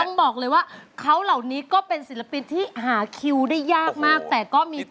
ต้องบอกเลยว่าเขาเหล่านี้ก็เป็นศิลปินที่หาคิวได้ยากมากแต่ก็มี